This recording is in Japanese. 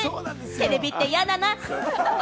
テレビって嫌だな。